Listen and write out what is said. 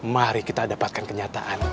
mari kita dapatkan kenyataan